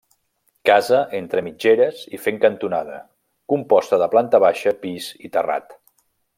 Casa entre mitgeres i fent cantonada, composta de planta baixa, pis i terrat.